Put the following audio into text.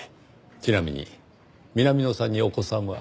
ちなみに南野さんにお子さんは？